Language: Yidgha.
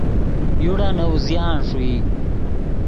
یوڑا نے اوزیان ݰوئی